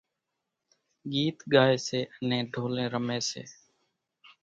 ڳيت ڳائيَ سي انين ڍولين رميَ سي۔